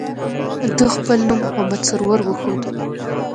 ده خپل نوم محمد سرور وښوده.